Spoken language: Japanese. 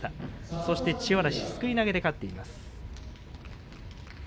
そして千代嵐をすくい投げで勝っています。